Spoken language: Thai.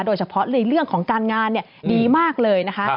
โดยเฉพาะในเรื่องของการงานดีมากเลยนะคะ